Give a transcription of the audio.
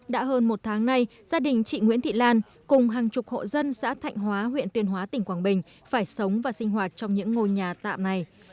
đã hơn một tháng nay gia đình chị nguyễn thị lan cùng hàng chục hộ dân xã thạnh hóa huyện tuyên hóa tỉnh quảng bình phải sống và sinh hoạt trong những ngôi nhà tạm này